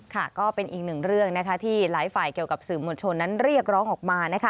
ก็เป็นอีกหนึ่งเรื่องที่หลายฝ่ายเกี่ยวกับสื่อมวลชนนั้นเรียกร้องออกมา